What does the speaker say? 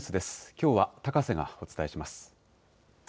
きょうは高瀬がお伝えします。